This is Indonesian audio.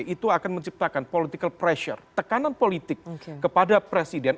itu akan menciptakan tekanan politik kepada presiden